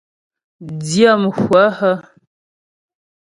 Dyə̂mhwə hə́ ?